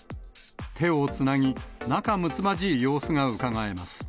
手をつなぎ、仲むつまじい様子がうかがえます。